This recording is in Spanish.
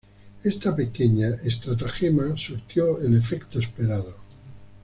Esta pequeña estratagema surtió el efecto esperado.